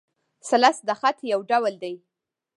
ثلث د خط؛ یو ډول دﺉ.